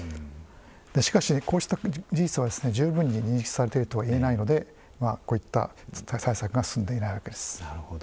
しかし、こうした事実は十分に認識されていないのでこういった対策が進んでいないわけです。